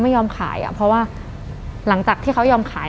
คุณลุงกับคุณป้าสองคนนี้เป็นใคร